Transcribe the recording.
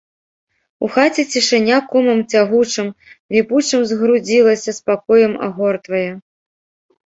У хаце цішыня комам цягучым, ліпучым згрудзілася, спакоем агортвае.